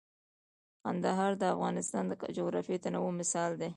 کندهار د افغانستان د جغرافیوي تنوع مثال دی.